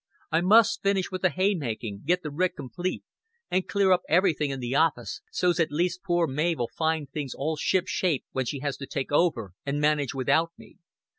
I must finish with the hay making, get the rick complete, and clear up everything in the office so's at least poor Mav'll find things all ship shape when she has to take over and manage without me.